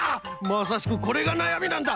まさしくこれがなやみなんだ！